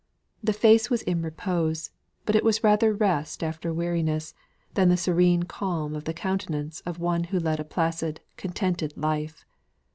The face was in repose; but it was rather rest after weariness than the serene calm of the countenance of one who led a placid, contented life.